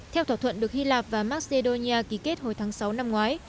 theo thỏa thuận được hy lạp và macedonia ký kết hồi tháng sáu năm ngoái